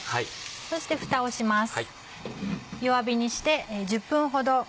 そしてふたをします。